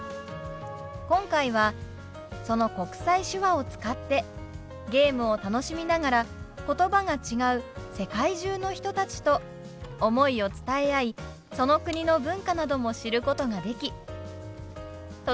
今回はその国際手話を使ってゲームを楽しみながら言葉が違う世界中の人たちと思いを伝え合いその国の文化なども知ることができとても貴重な経験ができました！